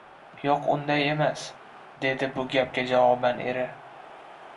– Yoʻq, unday emas, – dedi bu gapga javoban eri.